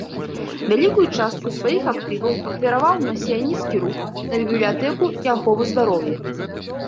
Вялікую частку сваіх актываў ахвяраваў на сіянісцкі рух, на бібліятэкі і ахову здароўя.